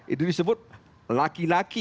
itu disebut laki laki